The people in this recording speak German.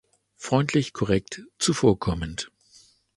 Freundlich, korrekt, zuvorkommend.